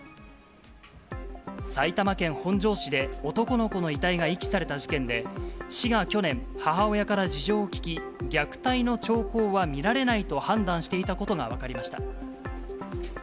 埼玉県本庄市で男の子の遺体が遺棄された事件で、市が去年、母親から事情を聴き、虐待の兆候は見られないと判断していたことが分かりました。